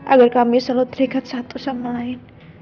agar kami selalu terikat satu sama lain